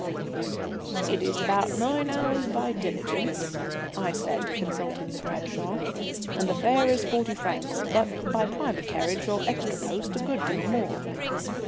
"It is about nine hours by diligence," I said, consulting the Bradshaw, "and the fare is forty francs, but by private carriage or extra post a good deal more."